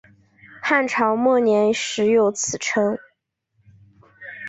汉朝末年始有此称。